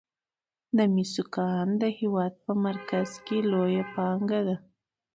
د مسو کان د هیواد په مرکز کې لویه پانګه ده.